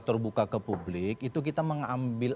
terbuka ke publik itu kita mengambil